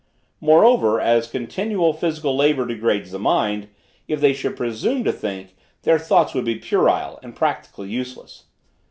Moreover, as continual physical labor degrades the mind, if they should presume to think, their thoughts would be puerile, and practically useless.